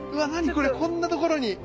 これこんなところに。